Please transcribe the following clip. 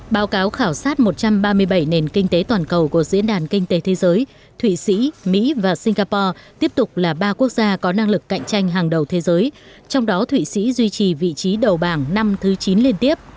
báo cáo khảo sát một trăm ba mươi bảy nền kinh tế toàn cầu của diễn đàn kinh tế thế giới thụy sĩ mỹ và singapore tiếp tục là ba quốc gia có năng lực cạnh tranh hàng đầu thế giới trong đó thụy sĩ duy trì vị trí đầu bảng năm thứ chín liên tiếp